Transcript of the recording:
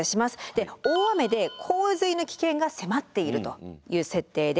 大雨で洪水の危険が迫っているという設定です。